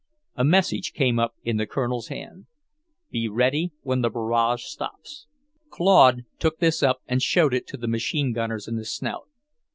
A message came up in the Colonel's hand: "Be ready when the barrage stops." Claude took this up and showed it to the machine gunners in the Snout.